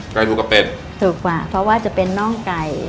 ไก่ถูกกับเป็ดถูกกว่าเพราะว่าจะเป็นน่องไก่